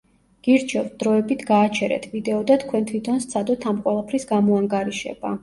გირჩევთ, დროებით გააჩერეთ ვიდეო და თქვენ თვითონ სცადოთ ამ ყველაფრის გამოანგარიშება.